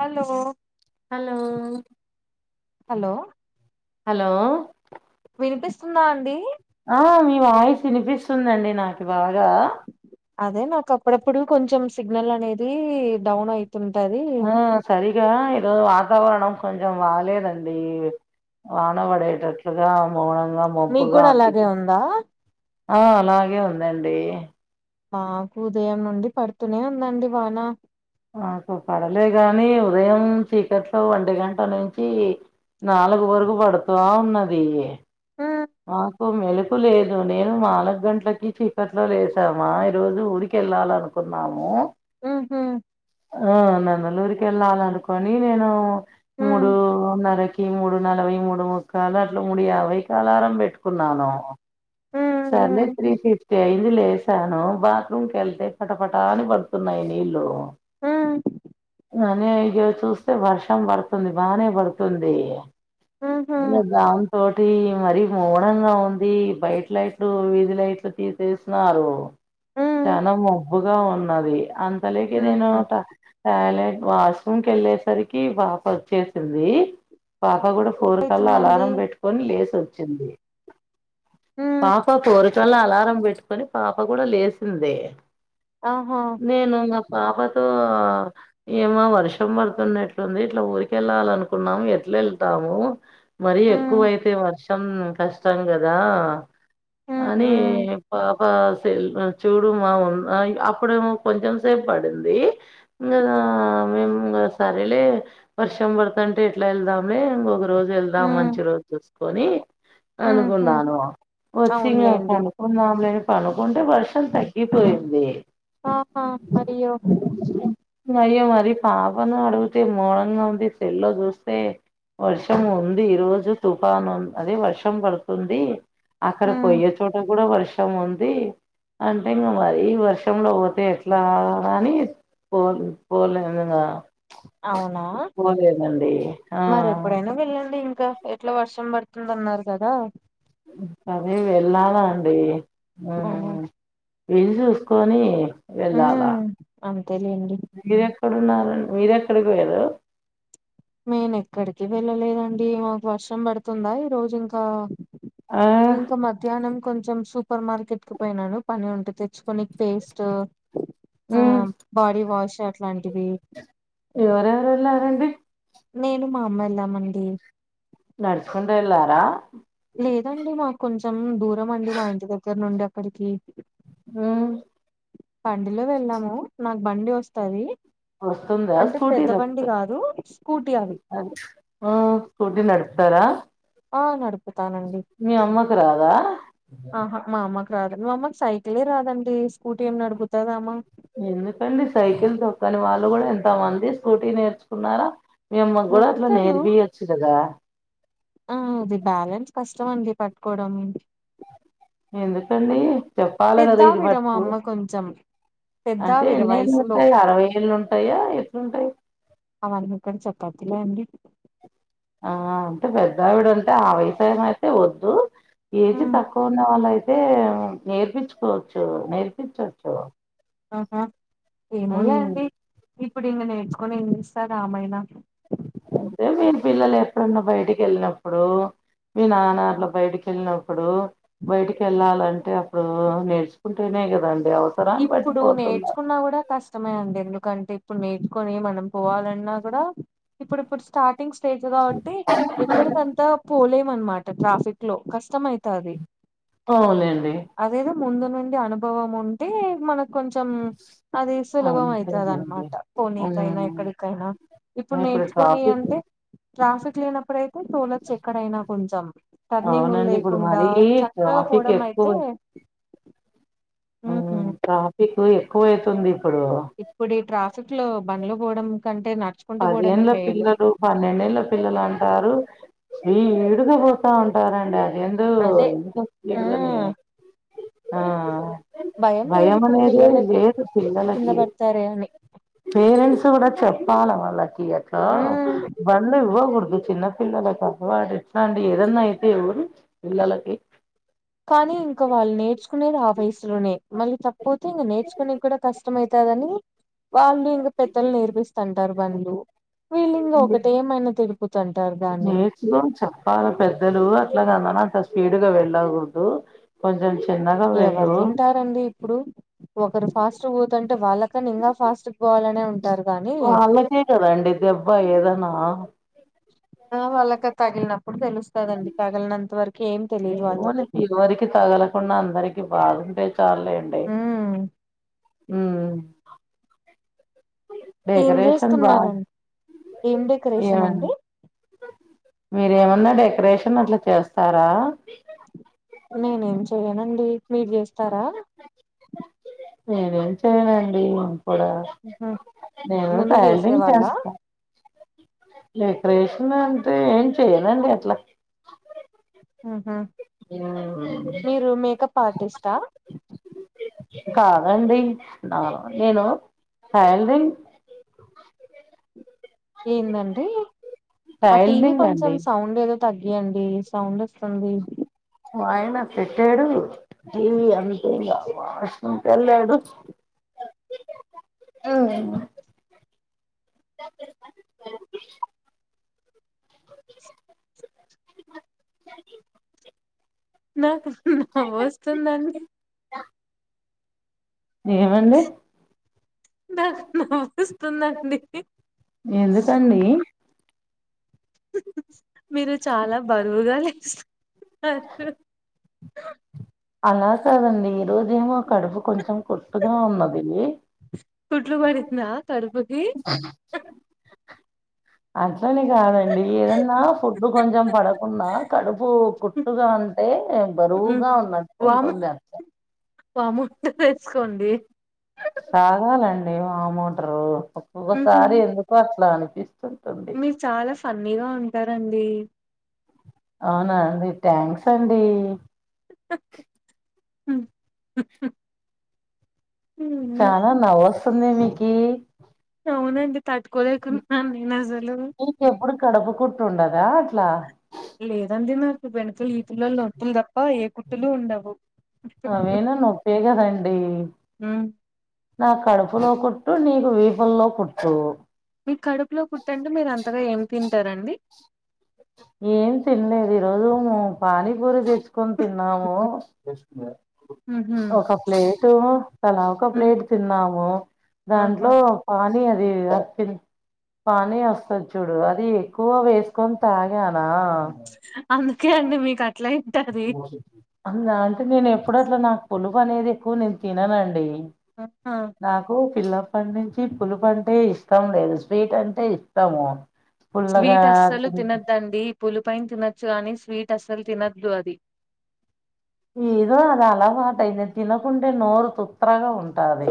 Hello hello hello hello వినిపిస్తుందా అండీ ఆ మీ వాయిస్ ఇనిపిస్తుందండి నాకి బాగా అదే నాకప్పుడప్పుడు కొంచం సిగ్నల్ అనేదీ డౌన్ అయితుంటదీ ఆ సరిగా ఈరోజు వాతావరణం కొంచం బాగలేదండీ వానవడేటట్లుగా మౌనంగా మీకు మబ్బుగా కూడా అలాగే ఉంది ఉందా ఆ అలాగే ఉందండి మాకూ ఉదయం నుండి పడుతూనే ఉందండి వాన మాకు పడలే గానీ ఉదయం చీకట్లో ఒంటి గంట నుంచీ నాలుగు వరుకు బడుతావున్నదీ ఊ మాకు మెలకు లేదు నేను నాలుగు గంటలకి చీకట్లొ లేచాము ఆ ఈ రోజు ఊరికెళ్ళాలన్ కున్నామూ ఉహూ ఆ నందలూరికెళ్ళాలనుకొని నేనూ ఉమ్ మూడూన్నరకి మూడు నలభై మూడు ముడుకల అట్ల మూడు యాభై కలారం బెట్టుకున్నానూ ఉమ్ ఉమ్ సర్లే త్రీ ఫిఫ్టీ అయింది లే చాను బాత్రూమ్ కెళ్తే పటపటాని బడుతున్నాయి నీళ్ళు ఉమ్ అనీ ఇగ చూ స్తే వర్షం బడుతుంది బానే బడుతుంది ఉహు ఇగ దాంతోటి మరి మౌనంగా ఉంది బయట్ లైట్లు వీధి లైట్లు తీసేసినారు ఉమ్ చాలా మబ్బుగా ఉన్నది అంతలెకి నేనూ ఉహు ట టాయిలెట్ వాష్రూమ్కెళ్ళేసరికి పాపొచ్చేసిందీ పాప గూడ ఫోర్ కల్లా అయితుందండి అలారం బెట్టుకొని లేసొచ్చింది ఉమ్ పాప ఫోర్ కల్లా అలారం బెట్టుకొని పాప గుడ లేసిందీ ఆహా నేను మ పాపతో ఏమో వర్షం బడుతున్నట్లుంది ఇట్ల ఊరికెళ్ళాలనుకున్నాం ఎట్లెళ్తామూ మరీ ఉమ్ ఎక్కువైతే వర్షం కష్టం గదా ఉమ్ అనీ ఉమ్ ప పా సెల్ ఆ చూడు మా ఆ ఇగ అప్పుడేమో కొంచం సేప్పడింది ఇంగ గా మేమిగ సరేలే వర్షం బడతాంటె ఎట్ల ఎళ్దామ్లే ఇంకొక రోజు వెళ్దాం ఉమ్ మంచి రోజ్జూసుకొని ఉహు అనుకున్నాను వచ్చి ఇంగ అవునులేండి పండ్ కున్నాంలేని పండుకుంటె వర్షం తగ్గిపోయింది ఆహా అయ్యో అయ్యో మరి పాపను అడిగితే [unintelligible] ఉంది సెల్లో చూస్తే వర్షం ఉంది ఈ రోజు తుఫాను అదే వర్షం పడుతుంది అక్కడ ఉమ్ పోయ్యే చోట కూడా వర్షం ఉంది అంటే ఇంకా మరి వర్షంలో పోతే ఎట్లా అని పోల్ పోలే ఎందుగా అవునా ఆ మరి ఎప్పుడైనా వెళ్ళండి ఇంకా ఎట్లా వర్షం పడుతుందన్నారు కదా అదే వెళ్ళాల అండి ఓహో వీళ్ళు చూసుకొని వెళ్ళాలా ఉమ్ అంతేలేండి మీరే ఇక్కడున్నారండి మీరు ఎక్కడికి పోయిరు నేను ఎక్కడికి వెళ్ళలేదండి మాకు వర్షం పడుతుందా ఈ రోజు ఇంకా ఆ ఇంకా మధ్యాహ్నం కొంచెం సు సూపర్ మార్కెట్కు పోయినాను పని ఉంటే తెచ్చుకొనికి పేస్ట్ ఆ మ్మ్ బాడీవాష్ అట్లాంటివి ఎవరెవరు యెల్లారండి నేను మా అమ్మ యెళ్ళామండి నడుచుకుంటు యెళ్ళారా లేదండి మాకు కొంచెం దూరంమండి మా ఇంటి దగ్గర నుండి అక్కడికి ఉమ్, బండిలో వెళ్ళాము నాకు బండి వస్తది వస్తుందా అంటే పెద్ద బండి కాదు స్కూటీ అది అది ఆ స్కూటీ నడపుతారా ఆ నడుపు మీ అమ్మకి రాదా ఆహా మా అమ్మకి రాదు మా అమ్మకి సైకిలే రాదండి స్కూటీ ఏమి నడుపుతదామా ఎందుకండి సైకిల్ తొక్కని వాళ్ళు కూడా ఎంత మంది స్కూటీ నేర్చుకున్నారా మియమ్మ కూడా అట్లా నొక్కుతాను నేర్పియొచ్చు కదా ఆ అది బ్యాలెన్స్ కష్టం అండి పట్టుకోవడం ఎందుకండీ చెప్పాలిగదా ఇది పెద్దావిడ మా పట్టుకో అమ్మ కొంచెం అంటే పెద్దావిడ వయసులో ఎన్నేళ్ళుంటాయి. అరవై ఏళ్ళు ఉంటాయా ఎట్లుంటయ్ అవారిక్కడ చేపాతీలే అండి ఆ అంటే పెద్దవిడ అంటే ఆ వయసామయితే వద్దు ఏజ్ హ్మ్. తక్ కున్న వాళ్ళయితే నేర్పించుకోవచ్చు నేర్పించొచ్చు ఆహా ఏమలే అండి ఇప్పుడు ఇకా నేర్చుకొని ఇన్ని ఇస్తారు ఆమాయిణ అదే మీరు పిల్లలు ఎప్పుడన్న బయటికి వెళ్ళినప్పుడు మీ నాన్నా అట్లా బయటకి వెళ్ళినప్పుడు బయటికి వెళ్ళాలంటే అప్పుడు నేర్చుకుంటేనే కదండి అవసరాన్ని బట్టి ఇప్పుడు పోతుండాలి నేర్చుకున్నా కూడా కష్టమే అండి ఎందుకంటే ఇప్పుడు నేర్చుకొని మనం పోవాలన్నా కూడా ఇప్పుడిప్పుడు స్టార్టింగ్ స్టేజ్ కాబట్టి ఎక్కడికి అంత్ త పోలేమనమాట ట్రాఫిక్లో కష్టమయితాది అవునులేండి అదేదో ముందునుండి అనుభవం ఉంటే మనకు కొంచం అది సులభం అంతేనండి అయితదనమాట పోనీకైనా, ఉమ్ ఎక్కడికైనా ఇప్పుడు నేర్చుకొని అంటే ట్రాఫిక్ లేనప్పుడయితే తోలొచ్చు ఎక్కడైనా కొంచెం టర్నింగు అవునండి ఇప్పుడు లేకుండా మరీ చ చక్కగా ట్రాఫిక్ ఎక్కువ పోవడమయితే ఉహు ట్రాపికు ఎక్కువేతుంది ఇప్పుడూ ఇప్పుడు ఈ ట్రాఫిక్ లో బండ్లు బోడం కంటే నడ్చు పదేళ్ల పిల్లలు పన్నెండేళ్ళ పిల్లలు అంటారు ఈ ఇడుగా పోతా ఉంటారండి ఏందో అదే ఇంత ఆ స్పీడ్ గానే ఆ లేదు భయం ఇప్పుడు మనేదే పిల్లలకి లేదు కింద పిల్లలకి పడతారే అని పేరెంట్స్ గూడా చెప్పాల వాళ్ళకి యక్క ఉమ్ బంద ఇవ్వగుడదు చిన్న పిల్లలక ఓ అడు ఎట్లాండి ఏదన్నా ఐతే ఎవరు పిల్లలకి కానీ ఇంకా వాళ్ళు నేర్చుకునేది ఆ వయస్లోనే మళ్ళీ తప్పోతే ఇంగ నేర్చుకునే కూడా కష్టమేతది వాళ్ళు ఇంగా పెద్దలు నేర్పిస్తంటారు బంళ్లు వీళ్ళు ఇంగ ఒకటే ఏమైనా తెలుపు తక్కుతంటారు దాన్ని చెప్పాలి పెద్దలు అట్లాగ నానా అంత స్పీడుగా వెళ్ళాగూడ్దు. కొంచం చిన్నగ ఎవరు వంటారు డి ఇప్పుడు ఒకరు ఫాస్ట్ వోతంటే వాళ్ళకన్న ఇంగా ఫాస్ట్ పోవాలనే ఉంటారు. గానీ అలాకే కదండి దెబ్బా ఏదనా ఆ వాళ్ళక తగిలినప్పుడు తెలుస్తుదండి తగల్నంత వరకు ఏం తెలీదు వాళ్ళకి మిపోలికి ఎవరికి తగలకుండా అందరికి బాగుంటే చాల్లేండి. ఉమ్ ఊ ఏం డెకరేషన్ బావుంది చేస్తున్నారండి ఏం డెకరేషన్ ఏవండి అండి మీరేమన్నా డెకరేషన్ అట్లా చేస్తారా. నేనేం చేయనండి మీరు జేస్తారా నేనేం చేయనండి ఇం కూడా ఉహు. నేను ముందు చేసే తైయ్లరింగ్ వాళ్ళ చేస్తా డెకరేషన్ అంటే ఏం చెయనండి అట్లా ఆహా ఉమ్, మీరు మేకప్ ఆటిస్టా కాదండి నా నేను టైల్రింగ్ ఏందండి ఆ టీవీ టైలరింగ్ కొంచం అండి సౌండ్ ఏదో తగ్గియండి సౌండ్ అస్తుంది వయినా పెట్టాడు ఇవి అంతే ఇగ వాష్రూమ్ కెళ్ళాడు [inaudible] ఆ [unintelligible] నాకు నవ్వోస్తుందండి. ఏమండి. నాకు నవ్వోస్తుందండి. ఎందుకండి మీరు చాలా బరువుగాలేస్ అలా కాదండి ఈరోజు ఎమో కడుపు కొంచం కుట్టుగా ఉన్నది కుట్లు పడిందా కడుపుకి అట్లని గాదండి ఏదన్నా ఫుడ్ కొంచం పడకున్నా కడుపూ కుట్టుగా ఉంటే బరువుగా ఉన్న ఉంటుంది అట్లా వామ్మో [unintelligible] తాగాలండి వామ్ ఒట్రు ఓగోసారి ఎందుకో అన్పిస్తుంటుంది. మీరు చాలా ఫన్నీగా ఉంటారండి అవునా అండి థ్యాంక్స్ అండి [inaudible] చాన నవ్వు వస్తుందె మీకి అవునండి తట్టుకోలేకున్నాను నేను అసలు ఎప్పుడు కడుపు కుట్టు ఉండద అట్ల [unintelligible] [unintelligible] అండి హు నాకు కడుపులో కుట్టు నీకు వీపులలో కుట్టు మీకు కడుపులో కుట్టంటే మీరు అంతగా ఏం తింటారండి ఏం తినలేదు ఈరోజు పానీపూరి తెచ్ కొని తిన్నాము ఉహు ఒక ప్లేటు తలా ఒక ఉమ్. ప్లేట్ తిన్నాము ఆహా దాంట్లో [unintelligible] గాన అందుకే అండి మీకు అట్ల అయింటాది [unintelligible] ఆహా నాకు పిల్లప్పటి నుంచి పులుపు అంటే ఇష్టం లేదు స్వీట్ అంటే ఇష్టము పుల్లగా స్వీట్ అస్సలు తినద్దండి పులుపుయైన తినొచ్చు గాని స్వీట్ అస్సలు తినద్దు అది ఏదో అది అలావాటు [unintelligible] తినకుంటే నోరు తుత్రగా ఉంటది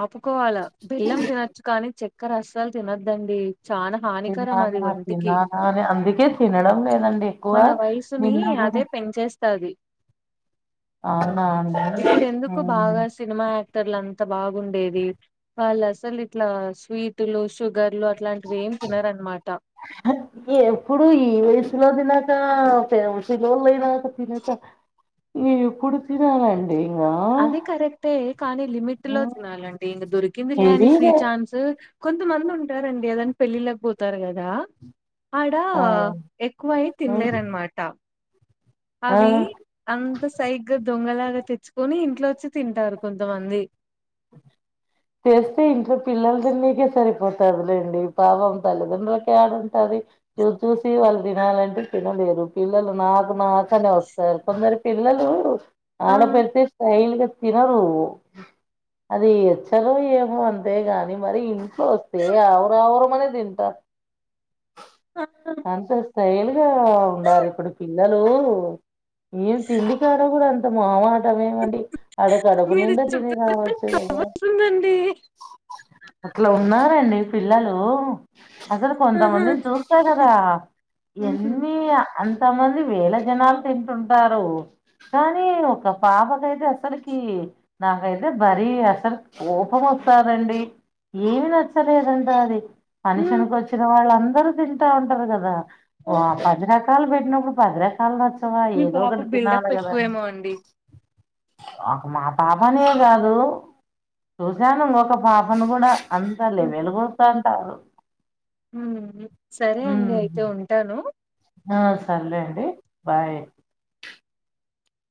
ఆపుకోవాలా బెల్లం తినొచ్చు కానీ చెక్కర అసలు తినొద్దండి చాన హానికరం అది తినాలా ఒంటికి తినాలా అని అందుకే తినడం లేదండి ఎక్కువ మన వయసుని నిన్న కూడా అదే పెంచే స్తది అవునా ఇప్పుడు ఎందుకు బాగా [unintelligible] సినిమా యాక్టర్లం అంత బాగుండేది వాళ్ళు అసలు ఇట్లా స్వీట్లు షుగర్లు అట్ల ఎం తినరనమాట [inaudible] ఎప్పుడు ఈ వయసులో తినక [unintelligible] [unintelligible] [unintelligible] అదే కరెక్టే కానీ లిమిట్ లో తినాలండి ఇంక దొరికిందిలే అని ఫ్రీ హెవీగా ఛాన్స్ కొంతమంది ఉంటారండి ఏదన్నా పెళ్ళిళ్ళకు పోతారు కదా ఆడ ఆ ఎక్కువయి ఉమ్, తినలేరనమాట ఆ అవి అంత సైగ్గ దొంగలాగ తెచ్చుకొని ఇంట్లో వచ్చి తింటారు కొంతమంది తెస్తే ఇంట్లో పిల్లల దన్నకే సరిపోతదిలేండి పాపం తల్లిదండ్రులకి యాడ ఉంటది చూ చూసి వాళ్ళు తినాలంటే తినలేరు పిల్లలు నాకు నాకు క్కనే వస్తారు కొందరు పిల్లలు ఆ ఆడపడితే స్టైల్గా తినరు అది వచ్చలో ఏమో అంతే గాని మరి ఇంట్లో వస్తే ఆవరువర అనే తింటారు ఆ అంతే [inaudible] ఉండారు ఇప్పుడు పిల్లలు ఏం తిండి కాడ కూడ అంత మా [unintelligible] ఏవండీ ఆడ కడపు మీరు నిండా తిని రావచ్చు కదా చెప్తుందండి అట్లా ఉన్నారండి పిల్లలు అసలు ఆహా కొంతమందిని చూస్తా కదా హుహు. ఎన్ని అంతమంది వేల జనాలు తింటుంటారు కానీ ఒక పాపకైతే అసలుకి నాకైతే మరీ అసలు కోపం వస్తదండి ఏమి నచ్చలేదంట అది ఫంక్షన్ కి హ్మ్. వచ్చిన వాళ్ళు అందరూ తింటూ ఉంటారు కదా ఆ భజనకు వాళ్లు పెట్టినప్పుడు పది రకాలు నచ్చావా మీ ఎదో పాప ఒకటి బిల్డప్ తినాలి కదా ఎక్కువేమో అండి ఒక మా పాపనే కాదు చూశాను ఇంకొక పాపను కూడా అంత ఉహు లెవెలు కూస్తంటారు సరే అండి ఉమ్ అయితే ఉంటాను ఆ సరే లే అండి బాయ్